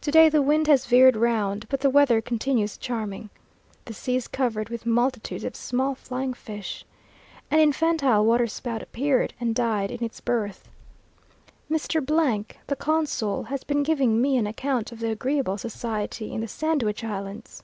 To day the wind has veered round, but the weather continues charming. The sea is covered with multitudes of small flying fish. An infantile water spout appeared, and died in its birth. Mr. , the consul, has been giving me an account of the agreeable society in the Sandwich Islands!